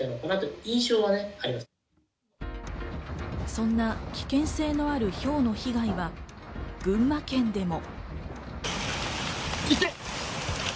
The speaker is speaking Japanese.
そんな危険性のあるひょうの被害は群馬県でも。